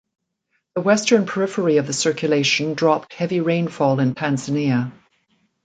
The western periphery of the circulation dropped heavy rainfall in Tanzania.